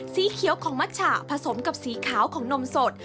สีเขียวของมัชฉะผสมกับสีขาวของนมสด